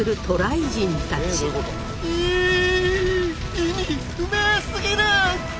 意味不明すぎる！